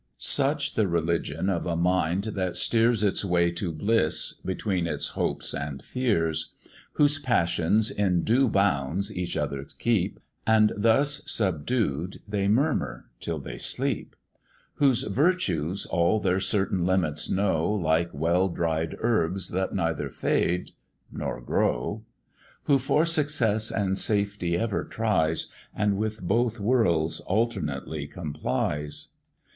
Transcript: Such the religion of a mind that steers Its way to bliss, between its hopes and fears; Whose passions in due bounds each other keep, And thus subdued, they murmur till they sleep; Whose virtues all their certain limits know, Like well dried herbs that neither fade nor grow; Who for success and safety ever tries, And with both worlds alternately complies.